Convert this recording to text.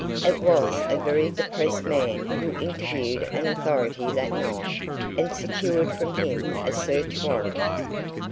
It was a very depressed man who interviewed an authority that night and secured from him a search warrant.